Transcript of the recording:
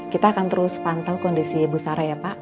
kita akan terus pantau kondisi bu sara ya pak